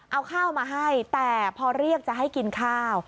เอาข้าวมาให้แต่พอเรียกจะให้กินข้าว